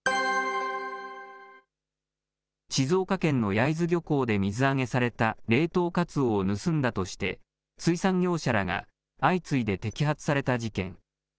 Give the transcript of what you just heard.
静岡県の焼津漁港で水揚げされた冷凍カツオを盗んだとして、水産業者らが相次いで摘発された事件。